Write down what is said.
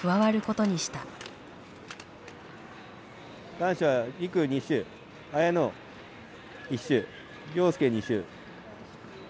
男子は陸２周綾乃１周良輔２周。